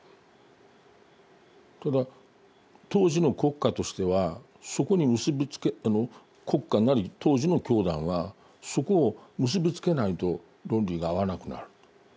ただ当時の国家としてはそこに結び付けあの国家なり当時の教団はそこを結び付けないと論理が合わなくなると。